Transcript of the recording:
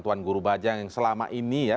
tuan guru bajang yang selama ini ya